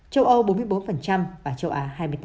châu âu bốn mươi bốn và châu á hai mươi tám